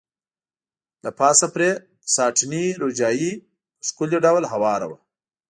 له پاسه پرې ساټني روجايي په ښکلي ډول هواره وه.